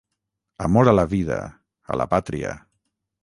amor a la vida, a la pàtria